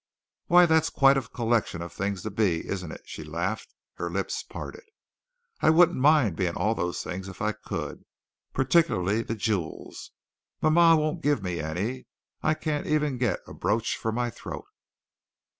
"Why, that's quite a collection of things to be, isn't it?" she laughed, her lips parted. "I wouldn't mind being all those things if I could, particularly the jewels. Mama won't give me any. I can't even get a brooch for my throat."